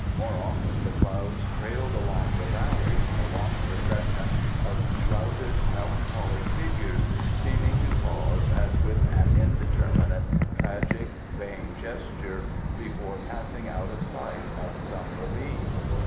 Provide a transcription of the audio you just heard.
More often, the clouds trailed along the valleys, a long procession of shrouded, melancholy figures, seeming to pause, as with an indeterminate, tragic, vain gesture, before passing out of sight up some ravine.